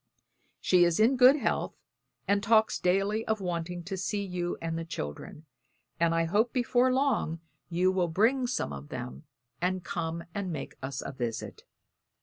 She is in good health and talks daily of wanting to see you and the children; and I hope before long you will bring some of them, and come and make us a visit.